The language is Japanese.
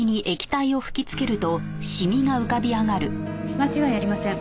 間違いありません。